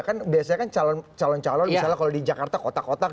kan biasanya kan calon calon misalnya kalau di jakarta kotak kotak